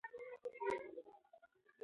د ښاروالۍ کارکوونکي زحمت باسي.